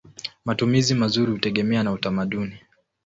Matumizi mazuri hutegemea na utamaduni.